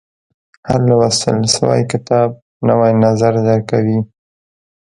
• هر لوستل شوی کتاب، نوی نظر درکوي.